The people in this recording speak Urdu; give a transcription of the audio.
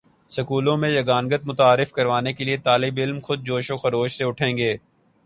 سکولوں میں یگانگت متعارف کروانے کے لیے طالب علم خود جوش و خروش سے اٹھیں گے